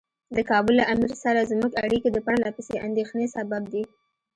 د کابل له امیر سره زموږ اړیکې د پرله پسې اندېښنې سبب دي.